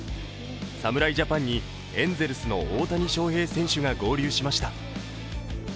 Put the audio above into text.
侍ジャパンにエンゼルスの大谷翔平選手が合流しました。